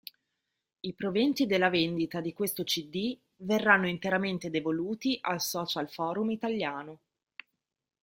I proventi della vendita di questo cd verranno interamente devoluti al Social Forum Italiano.